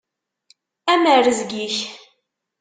Am rrezg-ik!